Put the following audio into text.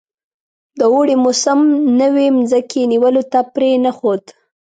د اوړي موسم نوي مځکې نیولو ته پرې نه ښود.